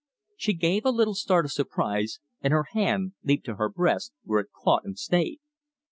She gave a little start of surprise, and her hand leaped to her breast, where it caught and stayed.